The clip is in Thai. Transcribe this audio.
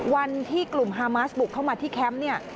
วันที่กลุ่มฮามาสบุกเข้ามาที่แคมป์เนี่ย